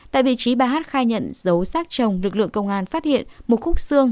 tại vị trí bà hát khai nhận dấu xác chồng lực lượng công an phát hiện một khúc xương